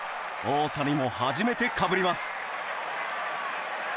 大谷も初めてかぶります。